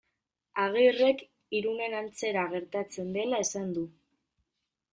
Agirrek Irunen antzera gertatzen dela esan du.